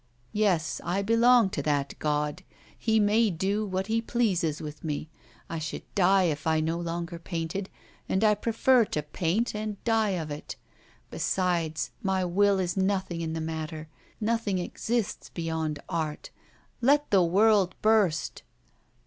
'Yes, I belong to that god, he may do what he pleases with me. I should die if I no longer painted, and I prefer to paint and die of it. Besides, my will is nothing in the matter. Nothing exists beyond art; let the world burst!